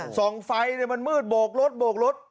ส่องไฟมันมืดโบกรถโบกรถ